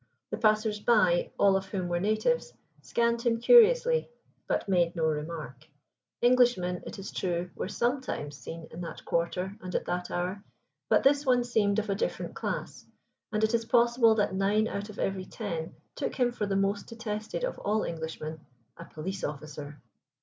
The passers by, all of whom were natives, scanned him curiously, but made no remark. Englishmen, it is true, were sometimes seen in that quarter and at that hour, but this one seemed of a different class, and it is possible that nine out of every ten took him for the most detested of all Englishmen, a police officer.